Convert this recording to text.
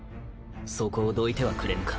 そこをどいてはくれぬか。